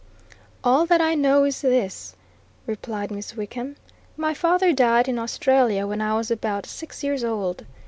"All that I know is this," replied Miss Wickham. "My father died in Australia, when I was about six years old.